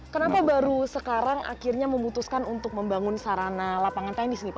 kenapa baru sekarang akhirnya memutuskan untuk membangun sarana lapangan tenis nih pak